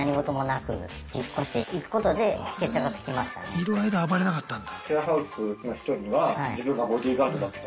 いる間暴れなかったんだ。